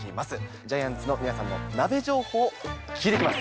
ジャイアンツの皆さんの鍋情報を聞いてきます。